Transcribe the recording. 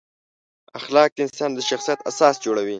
اخلاق د انسان د شخصیت اساس جوړوي.